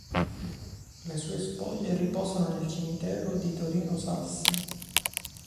Le sue spoglie riposano nel cimitero di Torino-Sassi.